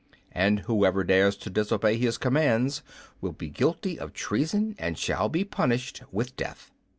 And whoever dares to disobey his commands will be guilty of treason and shall be punished with death!"